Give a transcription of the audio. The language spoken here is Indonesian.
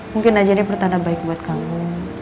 mungkin aja ini pertanda baik buat kamu